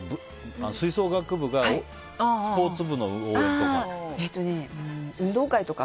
吹奏楽部がスポーツ部の応援とか。